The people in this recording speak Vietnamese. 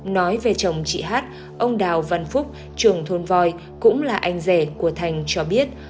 nói về chồng chị hát ông đào văn phúc trưởng thôn voi cũng là anh rể của thành cho biết